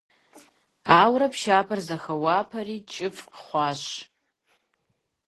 Ауэрэ пшапэр зэхэуапэри, кӀыфӀ хъуащ.